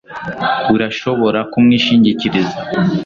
Urashobora kumwishingikiriza